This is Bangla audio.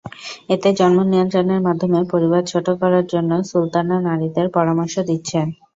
এতে জন্ম নিয়ন্ত্রণের মাধ্যমে পরিবার ছোট করার জন্য সুলতানা নারীদের পরামর্শ দিচ্ছেন।